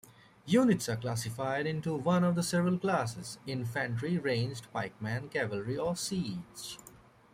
Units are classified into one of several classes: infantry, ranged, pikemen, cavalry, or siege.